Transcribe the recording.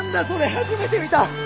初めて見た！